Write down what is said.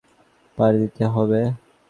শীঘ্রই আমাদের আরো দীর্ঘ একটা পারি দিতে হবে।